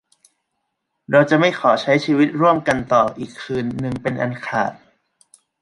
เราจะไม่ขอใช้ชีวิตร่วมกันต่ออีกคืนนึงเป็นอันขาด